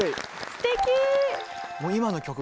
すてき。